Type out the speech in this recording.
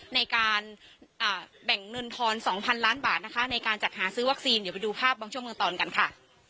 ในการแบ่งเงินทอน๒๐๐ล้านบาทนะคะในการจัดหาซื้อวัคซีนเดี๋ยวไปดูภาพบางช่วงเมืองตอนกันค่ะ